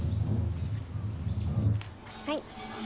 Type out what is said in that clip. はい。